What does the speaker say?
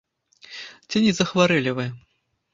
Ці не захварэлі вы?